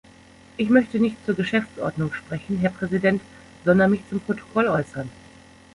Ich möchte nicht zur Geschäftsordnung sprechen, Herr Präsident, sondern mich zum Protokoll äußern.